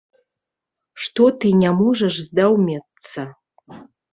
Што ты не можаш здаўмецца.